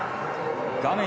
画面